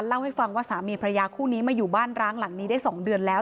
เล่าให้ฟังว่าสามีพระยาคู่นี้มาอยู่บ้านร้างหลังนี้ได้๒เดือนแล้ว